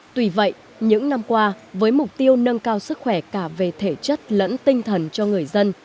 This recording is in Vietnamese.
tùy vậy những năm qua với mục tiêu nâng cao sức khỏe cả về thể chất lẫn tinh thần cho người dân